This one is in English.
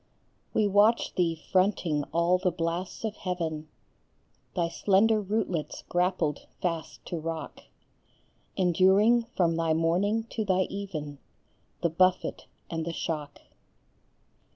We watch thee fronting all the blasts of heaven, Thy slender rootlets grappled fast to rock, Enduring from thy morning to thy even The buffet and the shock.